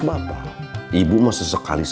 harganya juga bagus